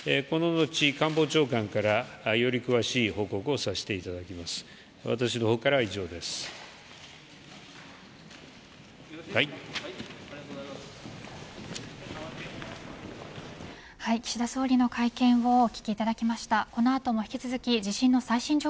この後、官房長官からより詳しい報告をさせていただきます。